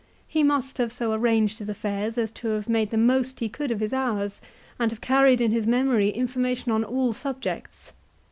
He must have so arranged his affairs as to have made the most he could of his hours, and have carried in his memory information on all subjects.